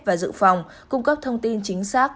và dự phòng cung cấp thông tin chính xác